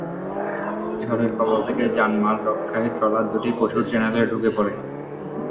ঝড়ের কবল থেকে জানমাল রক্ষায় ট্রলার দুটি পশুর চ্যানেলে ঢুকে পড়ে।